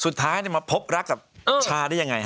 สุดท้ายมาพบรักกับชาได้อย่างไรครับ